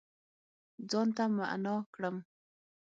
ځان ته معنا کړم